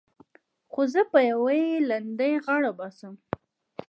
خو زه په يوه لنډۍ غاړه باسم.